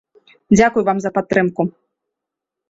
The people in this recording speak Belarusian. Дзякуй вам за падтрымку.